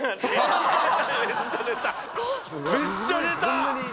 めっちゃ出た！